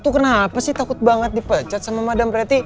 kenapa sih takut banget dipecat sama madam preti